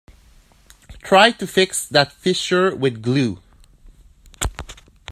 Try to fix that fissure with glue.